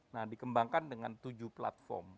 nah dikembangkan dengan tujuh platform